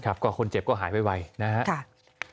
ก็คนเจ็บก็หายไวนะครับ